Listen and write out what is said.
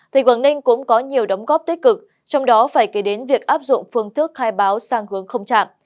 thì quảng ninh cũng có nhiều đóng góp tích cực trong đó phải kể đến việc áp dụng phương thức khai báo sang hướng không chạm